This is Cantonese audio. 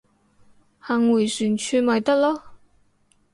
行迴旋處咪得囉